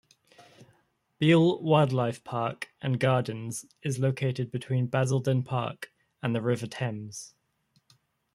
Beale Wildlife Park and Gardens is located between Basildon Park and the River Thames.